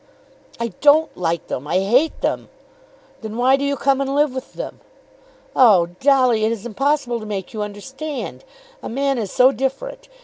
"I don't like them, I hate them." "Then why do you come and live with them?" "Oh, Dolly, it is impossible to make you understand. A man is so different.